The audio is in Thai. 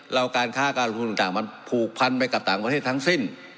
แล้วการค้าการลงทุนต่างมันผูกพันไปกับต่างประเทศทั้งสิ้น